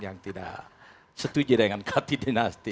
yang tidak setuju dengan kati dinasti